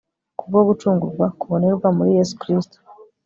k'ubwo gucungurwa kubonerwa muri yesu kristo